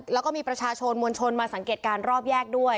แล้วก็มีประชาชนมวลชนมาสังเกตการณ์รอบแยกด้วย